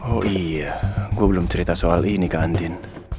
oh iya gue belum cerita soal ini kak andin